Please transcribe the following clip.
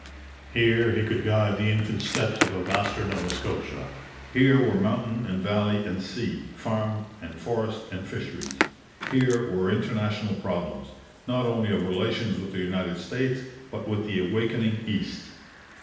Here he could guide the infant steps of a vaster Nova Scotia; here were mountain and valley and sea, farm and forest and fisheries; here were international problems, not only of relations with the United States, but with the awakening East.